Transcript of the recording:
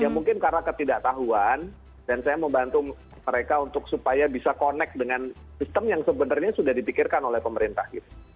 ya mungkin karena ketidaktahuan dan saya membantu mereka untuk supaya bisa connect dengan sistem yang sebenarnya sudah dipikirkan oleh pemerintah